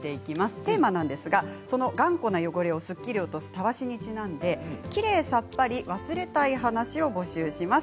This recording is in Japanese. テーマは頑固な汚れをすっきり落とすたわしにちなんできれいさっぱり忘れたい話を募集します。